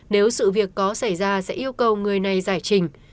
nếu sự việc có xảy ra sẽ yêu cầu người này giải trình